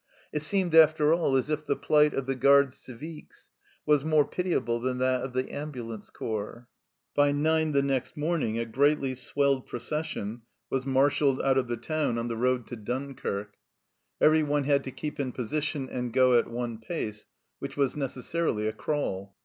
It seemed, after all, as if the plight of the Gardes Civiques was more pitiable than that of the ambulance corps. By nine the next morning a greatly swelled procession was marshalled out of the town on the THE RETREAT 51 road to Dunkirk ; everyone had to keep in position and go at one pace, which was necessarily a crawl.